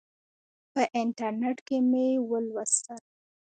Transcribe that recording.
په انټرنیټ کې مې ولوستل.